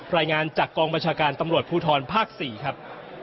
รายงานจากกองบัญชาการตำรวจภูทรภาค๔ครับ